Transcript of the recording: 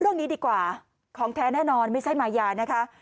เรื่องนี้ดีกว่าของแท้แน่นอนไม่ใช่มายานะคะ